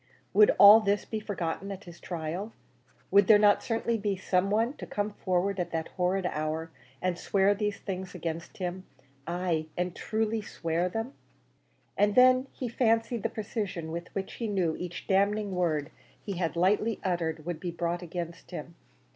Would all this be forgotten at his trial? Would there not certainly be some one to come forward at that horrid hour, and swear these things against him ay, and truly swear them? And then he fancied the precision with which he knew each damning word he had lightly uttered would be brought against him.